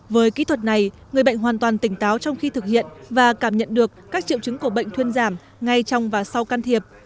với kỹ thuật này người bệnh hoàn toàn tỉnh táo trong khi thực hiện và cảm nhận được các triệu chứng của bệnh thuyên giảm ngay trong và sau can thiệp